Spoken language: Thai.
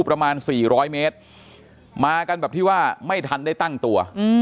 ประมาณ๔๐๐เมตรมากันแบบที่ว่าไม่ทันได้ตั้งตัว